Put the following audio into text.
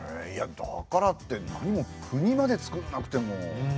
いやだからってなにも国までつくんなくても。